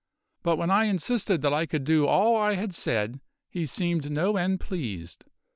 But when I insisted that I could do all I had said, he seemed no end pleased.